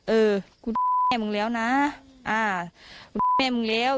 เออกูให้มึงแล้วนะอ่ามึงแม่มึงแล้ว